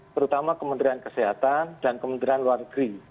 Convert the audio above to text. terutama kementerian kesehatan dan kementerian luar negeri